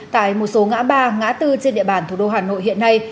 tại một số ngã ba ngã tư trên địa bàn thủ đô hà nội hiện nay